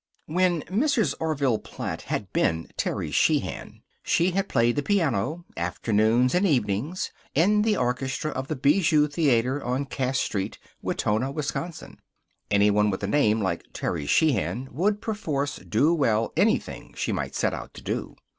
When Mrs. Orville Platt had been Terry Sheehan, she had played the piano, afternoons and evenings, in the orchestra of the Bijou Theater, on Cass Street, Wetona, Wisconsin. Anyone with a name like Terry Sheehan would, perforce, do well anything she might set out to do.